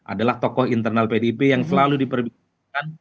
adalah tokoh internal pdip yang selalu diperbincangkan